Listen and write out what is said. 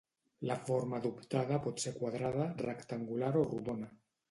La forma adoptada pot ser quadrada, rectangular o rodona.